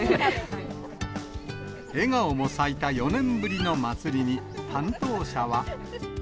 笑顔も咲いた４年ぶりのまつりに、担当者は。